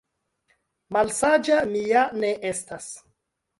Malsaĝa mi ja ne estas!